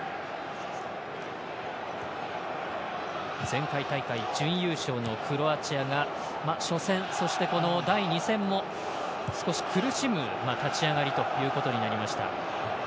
前回大会、準優勝のクロアチアが初戦、そしてこの第２戦も少し苦しむ立ち上がりとなりました。